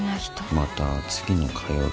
また次の火曜日。